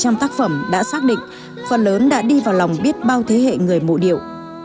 khoảng bảy trăm linh tác phẩm đã xác định phần lớn đã đi vào lòng biết bao thế hệ người mộ điệu